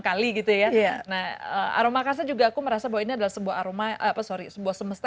kali gitu ya nah aroma kasa juga aku merasa bahwa ini adalah sebuah aroma apa sorry sebuah semesta